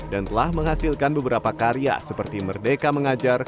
dan telah menghasilkan beberapa karya seperti merdeka mengajar